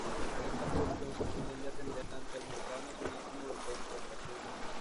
Con esta producción se pretende atender tanto al mercado nacional como de exportación.